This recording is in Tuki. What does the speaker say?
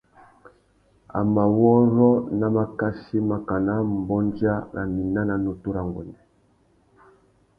A mà wôrrô nà makachí makana mbôndia râ mina nà nutu râ nguêndê.